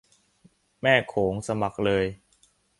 แม่โขงสมัครเลย